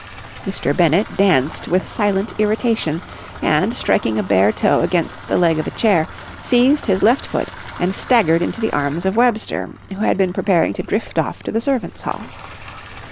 Mr. Bennett danced with silent irritation, and, striking a bare toe against the leg of a chair, seized his left foot and staggered into the arms of Webster, who had been preparing to drift off to the servants' hall.